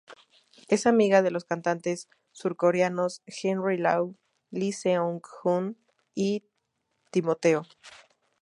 Es amiga de los cantantes surcoreanos Henry Lau, Lee Seung-hoon y Timoteo.